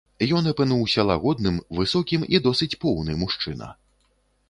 Ён апынуўся лагодным, высокім і досыць поўны мужчына.